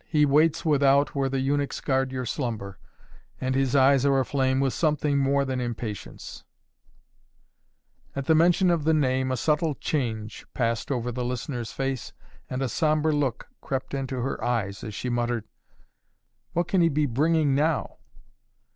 He waits without where the eunuchs guard your slumber, and his eyes are aflame with something more than impatience " At the mention of the name a subtle change passed over the listener's face, and a sombre look crept into her eyes as she muttered: "What can he be bringing now?"